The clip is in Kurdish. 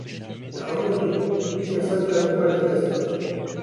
Li Amedê du kesan canê xwe ji dest dan.